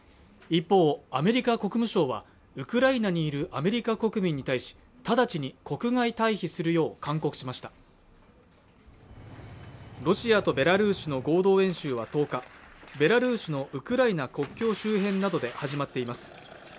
一方アメリカ国務省はウクライナにいるアメリカ国民に対し直ちに国外退避するよう勧告しましたロシアとベラルーシの合同演習は１０日ベラルーシのウクライナ国境周辺などで始まっています